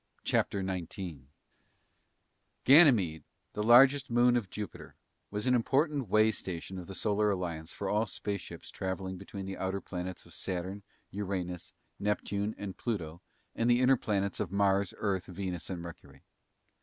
CHAPTER 19 Ganymede, the largest moon of Jupiter, was an important way station of the Solar Alliance for all spaceships traveling between the outer planets of Saturn, Uranus, Neptune, and Pluto and the inner planets of Mars, Earth, Venus, and Mercury.